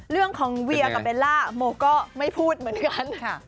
เรื่องของเวียกับเบลล่าโมก็ไม่พูดเหมือนกันค่ะ